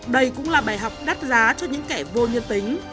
đây cũng là bài học đắt giá cho những kẻ vô nhân tính